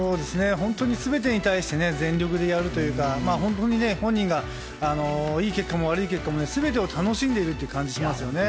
本当に全てに対して全力でやるというか本当に本人がいい結果も悪い結果も全てを楽しんでいるという感じがしますよね。